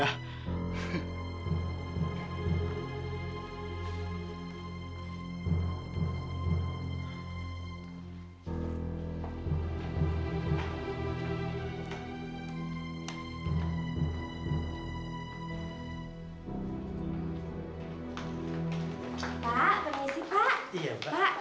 pak permisi pak